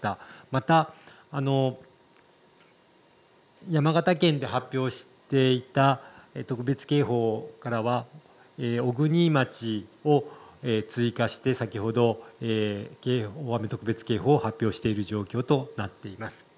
また、山形県で発表していた特別警報からは小国町を追加して、先ほど大雨特別警報を発表している状況となっています。